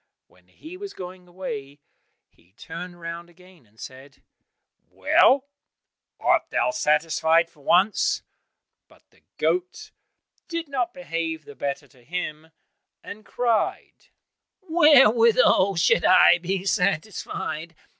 When he was going away, he turned round again and said, "Well, art thou satisfied for once?" But the goat did not behave the better to him, and cried, "Wherewithal should I be satisfied?